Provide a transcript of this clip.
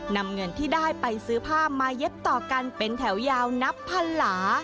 นำเงินที่ได้ไปซื้อผ้ามาเย็บต่อกันเป็นแถวยาวนับพันหลา